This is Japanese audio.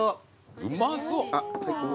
うまそう。